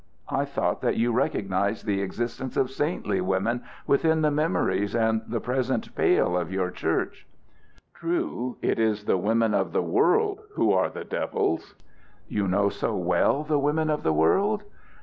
I thought that you recognized the existence of saintly women within the memories and the present pale of your church." "True. It is the women of the world who are the devils." "You know so well the women of the world?"